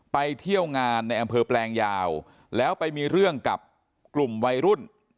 ไปเที่ยวงานในอำเภอแปลงยาวแล้วไปมีเรื่องกับกลุ่มวัยรุ่น